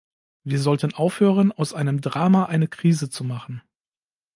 Wir sollten aufhören, aus einem Drama eine Krise zu machen.